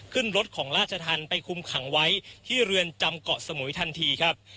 ขึ้นรถของราชธรรมไปคุมขังไว้ที่เรือนจำเกาะสมุยทันทีครับ